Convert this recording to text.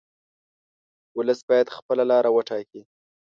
ولس باید خپله لار وټاکي.